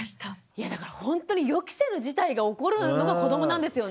いやだからほんとに予期せぬ事態が起こるのが子どもなんですよね。